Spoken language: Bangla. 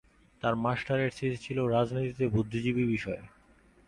তার মাস্টারের থিসিস ছিল "রাজনীতিতে বুদ্ধিজীবী" বিষয়ে।